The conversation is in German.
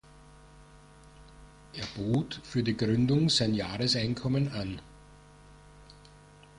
Er bot für die Gründung sein Jahreseinkommen an.